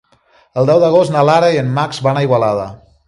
El deu d'agost na Lara i en Max van a Igualada.